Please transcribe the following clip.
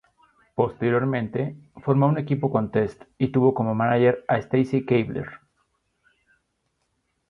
Posteriormente, formó un equipo con Test y tuvo como manager a Stacy Keibler.